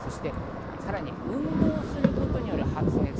さらに運動することによる発熱。